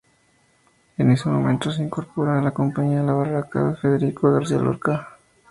En ese momento se incorpora a la compañía "La Barraca", de Federico García Lorca.